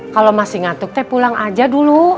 kalau masih ngatuk teh pulang aja dulu